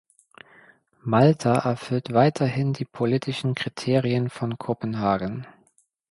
Malta erfüllt weiterhin die politischen Kriterien von Kopenhagen.